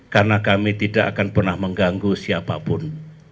karena kami tidak akan pernah mengganggu siapapun